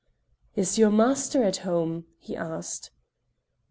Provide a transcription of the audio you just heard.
"Is your master at home?" he asked.